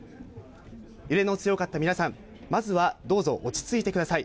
揺れの強かった皆さん、まずはどうぞ落ち着いてください。